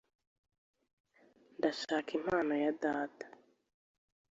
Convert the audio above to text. Ndashaka impano ya data.